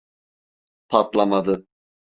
Patlamadı.